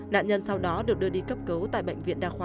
nạn nhân sau đó được đưa đi cấp cứu tại bệnh viện đa khoa